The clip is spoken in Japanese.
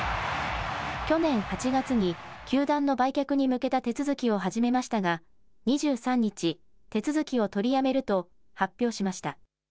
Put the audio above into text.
去年８月に、球団の売却に向けた手続きを始めましたが、２３日、手続きを取りやめると発表しました。